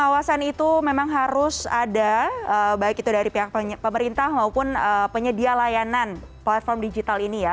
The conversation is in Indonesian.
pengawasan itu memang harus ada baik itu dari pihak pemerintah maupun penyedia layanan platform digital ini ya